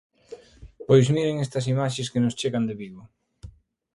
Pois miren estas imaxes que nos chegan de Vigo.